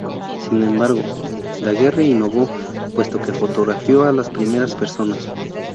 Sin embargo, Daguerre innovó, puesto que fotografió a las primeras personas.